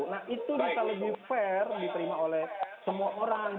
nah itu bisa lebih fair diterima oleh semua orang